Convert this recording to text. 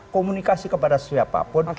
komunikasi kepada siapapun